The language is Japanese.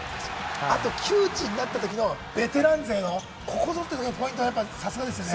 あと窮地になったときのベテラン勢のここぞというポイントはさすがですよね。